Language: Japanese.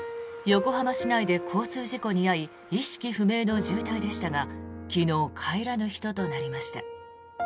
横浜市内で交通事故に遭い意識不明の重体でしたが昨日、帰らぬ人となりました。